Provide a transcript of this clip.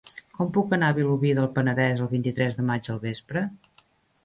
Com puc anar a Vilobí del Penedès el vint-i-tres de maig al vespre?